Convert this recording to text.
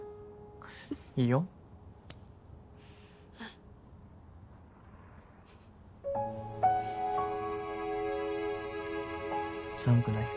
いいよ寒くない？